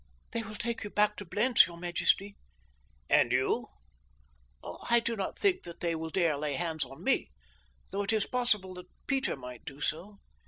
"They will take you back to Blentz, your majesty." "And you?" "I do not think that they will dare lay hands on me, though it is possible that Peter might do so.